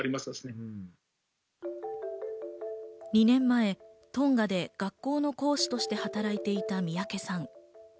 ２年前トンガで学校の講師として働いていた三宅さん。